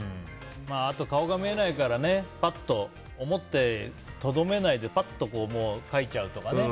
あと、顔が見えないから思ったことをとどめないでパッと書いちゃうとかね。